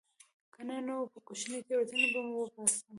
که نه نو په کوچنۍ تېروتنې به مو وباسم